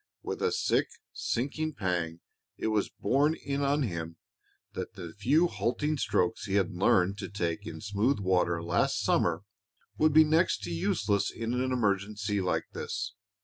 With a sick, sinking pang it was borne in on him that the few halting strokes he had learned to take in smooth water last summer would be next to useless in an emergency like this.